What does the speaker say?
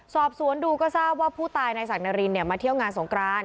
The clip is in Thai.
สอบสวนดูก็ทราบว่าผู้ตายนายศักดรินมาเที่ยวงานสงคราน